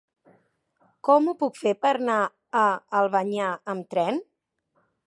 Com ho puc fer per anar a Albanyà amb tren?